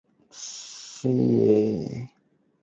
當愛的人離去時也可讓你後悔一生